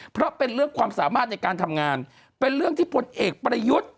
เพราะเป็นเรื่องความสามารถในการทำงานเป็นเรื่องที่พลเอกประยุทธ์